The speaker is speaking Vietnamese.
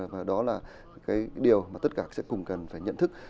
và đó là cái điều mà tất cả sẽ cùng cần phải nhận thức